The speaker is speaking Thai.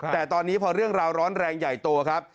แต่ตอนนี้พอเรื่องราวร้อนแรงใหญ่โตครับ